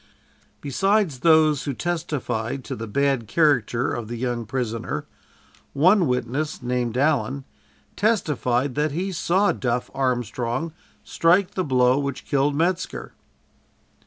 Besides those who testified to the bad character of the young prisoner, one witness, named Allen, testified that he saw "Duff" Armstrong strike the blow which killed Metzker.